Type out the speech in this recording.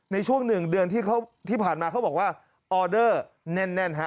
ในช่วงหนึ่งเดือนที่ผ่านมาเขาบอกว่าออเดอร์แน่นฮะ